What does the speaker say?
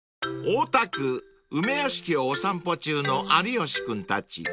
［大田区梅屋敷をお散歩中の有吉君たち］